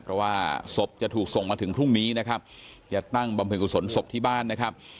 เพราะว่าศพจะถูกส่งมาถึงพรุ่งนี้นะครับจะตั้งบำเพ็ญกุศลศพที่บ้านนะครับ